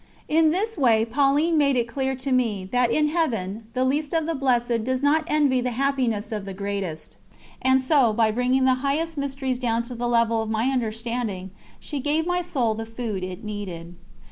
In this way Pauline made it clear to me that in Heaven the least of the Blessed does not envy the happiness of the greatest; and so, by bringing the highest mysteries down to the level of my understanding, she gave my soul the food it needed.